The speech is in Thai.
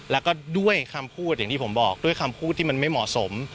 แล้วก็ด้วยคำพูดอย่างที่ผมบอกด้วยคำพูดที่มันไม่เหมาะสม